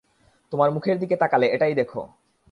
তোমার মুখের দিকে তাকালে এটাই দেখো।